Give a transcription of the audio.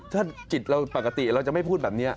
ถ้าจิตเราปกติเราจะไม่พูดแบบนี้